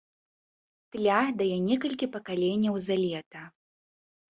Тля дае некалькі пакаленняў за лета.